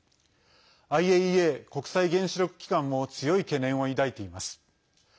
ＩＡＥＡ＝国際原子力機関も強い懸念を抱いています。